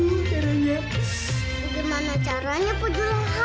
mulai bakal indah